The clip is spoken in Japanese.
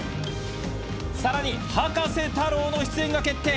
さらに葉加瀬太郎の出演が決定！